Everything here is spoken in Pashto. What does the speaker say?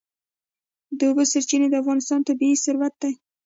د اوبو سرچینې د افغانستان طبعي ثروت دی.